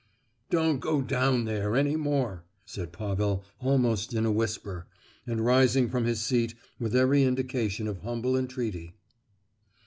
"Don't go down there any more," said Pavel, almost in a whisper, and rising from his seat with every indication of humble entreaty.